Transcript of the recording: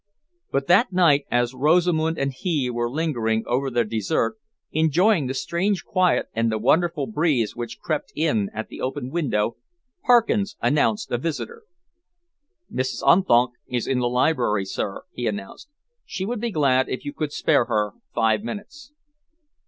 But that night, as Rosamund and he were lingering over their dessert, enjoying the strange quiet and the wonderful breeze which crept in at the open window, Parkins announced a visitor. "Mrs. Unthank is in the library, sir," he announced. "She would be glad if you could spare her five minutes."